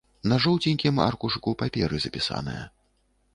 На жоўценькім аркушыку паперы запісаная.